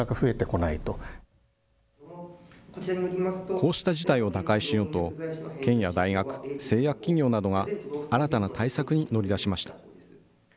こうした事態を打開しようと、県や大学、製薬企業などが新たな対策に乗り出しました。